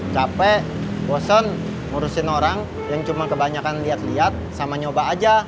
capek bosen ngurusin orang yang cuma kebanyakan liat liat sama nyoba aja